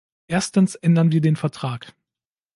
Erstens ändern wir den Vertrag.